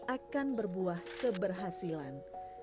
akan berbuah keberhasilan